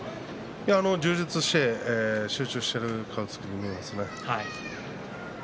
充実して集中している顔つきに見えますね。